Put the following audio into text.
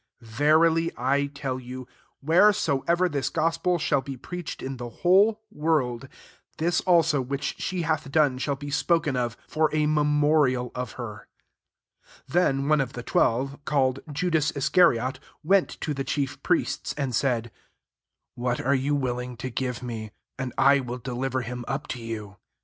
13 Verily I tell you. Wheresoever this gospel shall be preached in the whole world, this also which she hath done shall be spoken of, for a memorial of her." 14 Then one of the twelve, called Judas Iscariot, went to the chief 'priests, 15 and «M, " What are ye willing to give me, and I will deliver him up to you ?"